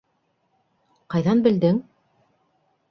Ҡайҙан белдең?